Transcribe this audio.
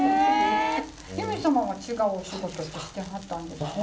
ユミ様は違うお仕事ってしてはったんですか？